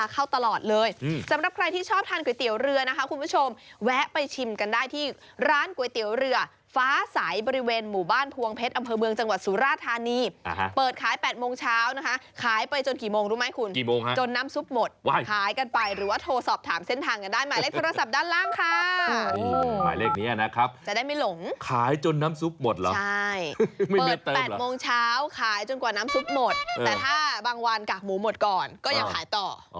ขายไปจนกี่โมงรู้ไหมคุณกี่โมงฮะจนน้ำซุปหมดไว้ขายกันไปหรือว่าโทรสอบถามเส้นทางกันได้หมายเลขโทรศัพท์ด้านล่างค่ะอือหมายเลขเนี้ยนะครับจะได้ไม่หลงขายจนน้ำซุปหมดเหรอใช่ไม่มีเติมเหรอเปิดแปดโมงเช้าขายจนกว่าน้ำซุปหมดเออแต่ถ้าบางวันกากหมูหมดก่อนก็อยากขายต่ออ๋อ